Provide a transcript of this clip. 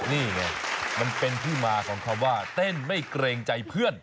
นี่ไงมันเป็นที่มาของคำว่าเต้นไม่เกรงใจเพื่อน